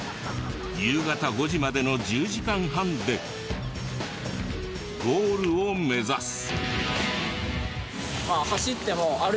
夕方５時までの１０時間半でゴールを目指す。